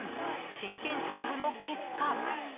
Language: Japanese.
真剣勝負の結果。